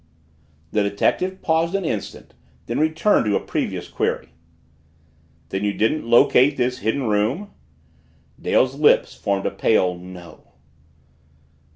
The detective paused an instant, then returned to a previous query. "Then you didn't locate this Hidden Room?" Dale's lips formed a pale "No."